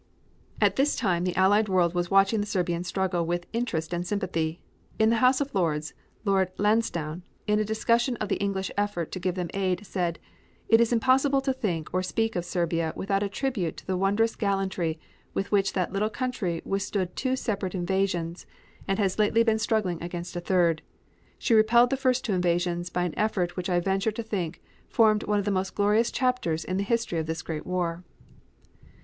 At this time the Allied world was watching the Serbian struggle with interest and sympathy. In the House of Lords, Lord Lansdowne in a discussion of the English effort to give them aid said: "It is impossible to think or speak of Serbia without a tribute to the wondrous gallantry with which that little country withstood two separate invasions, and has lately been struggling against a third. She repelled the first two invasions by an effort which I venture to think formed one of the most glorious chapters in the history of this Great War."